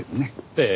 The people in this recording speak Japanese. ええ。